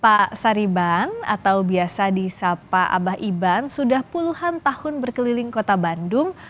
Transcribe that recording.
pak sariban atau biasa di sapa abah iban sudah puluhan tahun berkeliling kota bandung